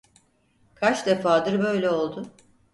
Kaç defadır böyle oldu…